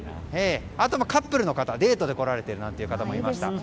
あとはカップルの方デートで来られている方もいました。